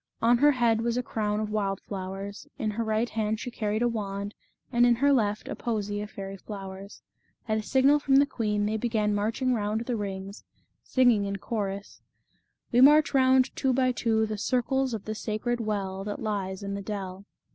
On her head was a crown of wild flowers, in her right hand she carried a wand, and in her left a posy of fairy flowers. At a signal from the queen they began marching round the rings, singing in chorus :" We march round by two and two The circles of the sacred well That lies in the dell."